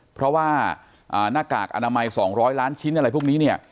เพราะว่าหน้ากากอนามัย๒๐๐ล้านชิ้นอะไรพวกนี้เนี่ย